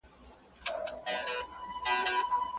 حیات الله په خپله ځوانۍ کې ډېرې مېلې او چکرونه کړي دي.